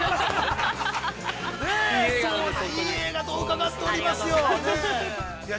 ねえ、いい映画と伺っておりますよ、ねえ。